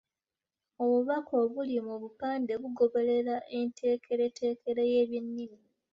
Obubaka obuli mu bupande bugoberera enteekereteekere y’ebyennimi.